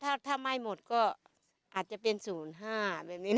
ข้าวถ้าไหม้หมดก็อาจจะเป็นสูญห้าแบบนี้นะ